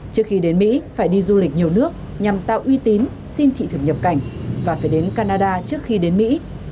trước khi đến mỹ phải đi du lịch nhiều nước nhằm tạo uy tín xin thị thực nhập cảnh và phải đến canada trước khi đến mỹ